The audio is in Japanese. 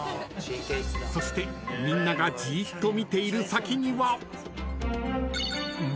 ［そしてみんながじーっと見ている先には］